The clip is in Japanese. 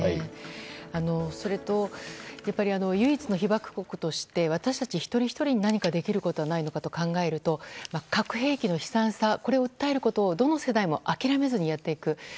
それと唯一の被爆国として私たち一人ひとりに何かできることはないのかと考えると核兵器の悲惨さを訴えることをどの世代も諦めずにやっていく。